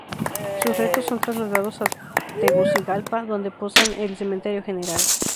Sus restos son trasladados a Tegucigalpa, donde posan en el cementerio general.